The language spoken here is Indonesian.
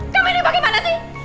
kamu ini bagaimana sih